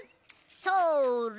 それ！